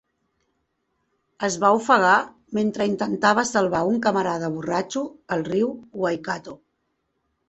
Es va ofegar mentre intentava salvar un camarada borratxo al riu Waikato.